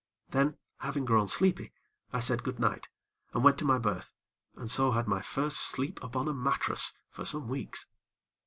Then, having grown sleepy, I said goodnight, and went to my berth, and so had my first sleep upon a mattress, for some weeks.